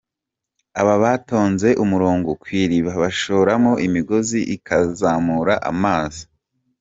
Aba batonze umurongo ku iriba bashoramo imigozi ikazamura amazi.